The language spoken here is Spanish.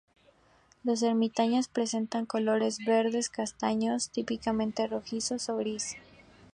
Los ermitaños presentan colores verdes, castaños, típicamente rojizos o gris.